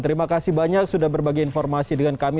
terima kasih banyak sudah berbagi informasi dengan kami